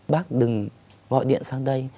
bác đừng gọi điện sang đây